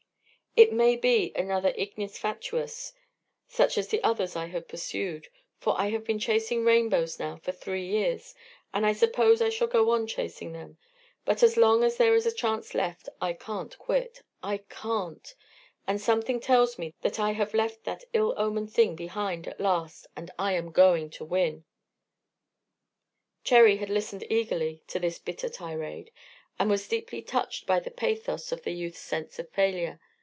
It may be another ignis fatuus, such as the others I have pursued, for I have been chasing rainbows now for three years, and I suppose I shall go on chasing them; but as long as there is a chance left, I can't quit I can't. And something tells me that I have left that ill omened thing behind at last, and I am going to win!" Cherry had listened eagerly to this bitter tirade, and was deeply touched by the pathos of the youth's sense of failure.